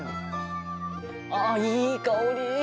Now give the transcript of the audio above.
いい香り！